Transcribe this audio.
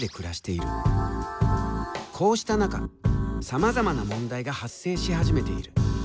こうした中さまざまな問題が発生し始めている。